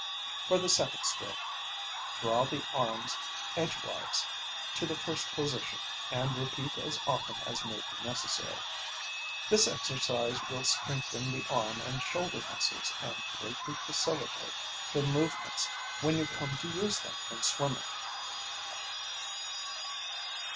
For the second stroke, draw the arms edgewise to the first position and repeat as often as may be necessary. This exercise will strengthen the arm and shoulder muscles and greatly facilitate the movements when you come to use them in swimming.